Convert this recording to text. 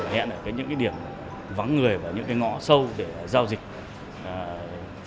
và hẹn ở những địa điểm vắng người và những ngõ sâu để giao dịch